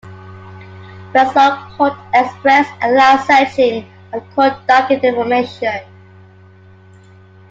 Westlaw CourtExpress, allows searching of court docket information.